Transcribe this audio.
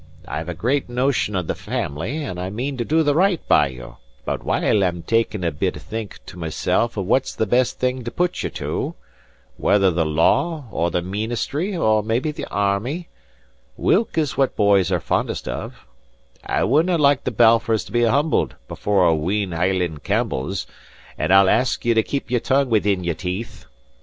I've a great notion of the family, and I mean to do the right by you; but while I'm taking a bit think to mysel' of what's the best thing to put you to whether the law, or the meenistry, or maybe the army, whilk is what boys are fondest of I wouldnae like the Balfours to be humbled before a wheen Hieland Campbells, and I'll ask you to keep your tongue within your teeth.